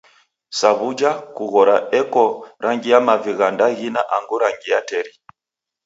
Sa wuja, kughora eko rangi ya mavi gha ndaghina angu rangi ya teri.